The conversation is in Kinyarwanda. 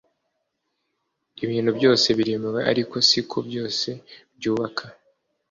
Ibintu byose biremewe ariko siko byose byubaka